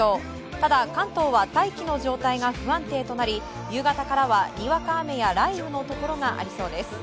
ただ、関東は大気の状態が不安定となり夕方からは、にわか雨や雷雨のところがありそうです。